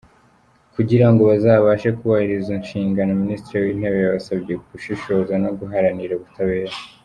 Kugira ngo bazabashe kubahiriza izo nshingano, Minisitiri w’Intebe yabasabye gushishoza no guharanira ubutabera.